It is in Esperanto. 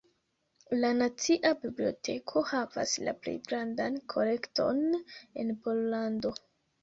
La Nacia Biblioteko havas la plej grandan kolekton en Pollando.